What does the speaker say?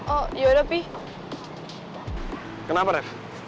oh yaudah pi